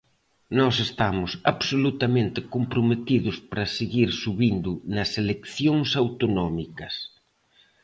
Nós estamos absolutamente comprometidos para seguir subindo nas eleccións autonómicas.